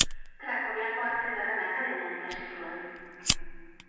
Krakoviako Arte Ederren Akademian ikasi zuen.